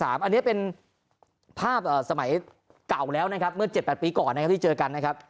อันนี้เป็นภาพสมัยเก่าแล้วนะครับเมื่อ๗๘ปีก่อนนะครับที่เจอกันนะครับ